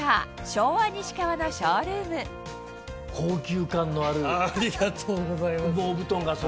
昭和西川のショールームありがとうございます。